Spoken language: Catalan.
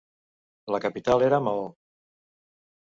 La capital era Mao.